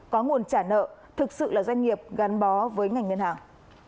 có nguồn trả nợ thực sự là doanh nghiệp gắn bó với ngành ngân hàng